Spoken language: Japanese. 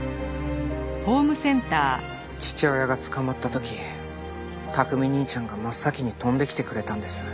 父親が捕まった時琢己兄ちゃんが真っ先に飛んできてくれたんです。